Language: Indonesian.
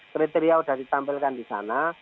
kriteria sudah ditampilkan di sana